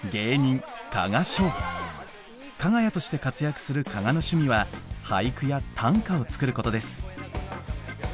かが屋として活躍する加賀の趣味は俳句や短歌を作ることです。